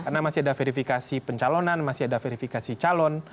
karena masih ada verifikasi pencalonan masih ada verifikasi calon